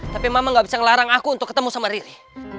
tapi mama gak bisa ngelarang aku untuk ketemu sama riri